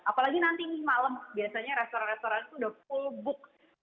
apalagi nanti malam biasanya restoran restoran itu sudah full booked